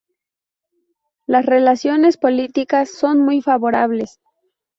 Las relaciones políticas son muy favorables.